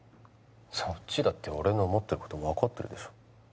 そっちだって俺の思ってること分かってるでしょ。